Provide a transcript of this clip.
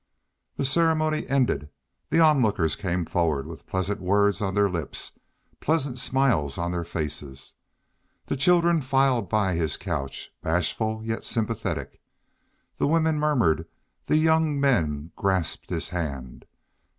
The ceremony ended, the onlookers came forward with pleasant words on their lips, pleasant smiles on their faces. The children filed by his couch, bashful yet sympathetic; the women murmured, the young men grasped his hand.